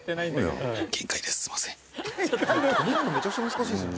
止めるのめちゃくちゃ難しいですよね。